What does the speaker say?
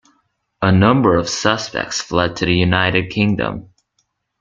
A number of suspects fled to the United Kingdom.